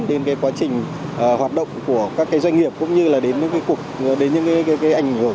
đến cái quá trình hoạt động của các doanh nghiệp cũng như là đến những cái ảnh hưởng